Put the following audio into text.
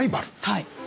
はい。